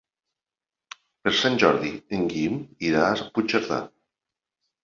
Per Sant Jordi en Guim irà a Puigcerdà.